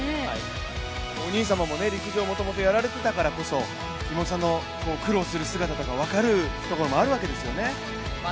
お兄様も陸上をもともとやられていたからこそ妹さんの苦労する姿とかも分かるところがあるわけですよね。